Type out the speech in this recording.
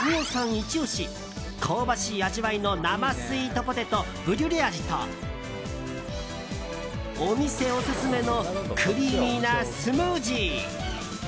イチ押し香ばしい味わいの生スイートポテト、ブリュレ味とお店オススメのクリーミーなスムージー。